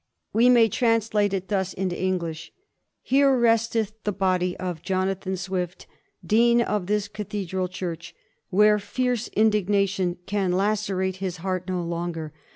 We may translate it thus into English :" Here resteth the body of Jonathan Swift, Dean of this Cathedral Church, where fierce indignation can lacerate his heart no longer.